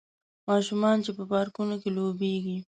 ماشومان چې په پارکونو کې لوبیږي